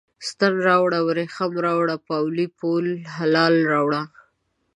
ستن راوړه، وریښم راوړه، پاولي پوره هلال راوړه